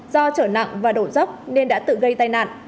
do trở nặng và đổ dốc nên đã tự gây tai nạn